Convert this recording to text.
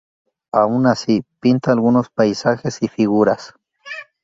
Aun así, pinta algunos paisajes y figuras.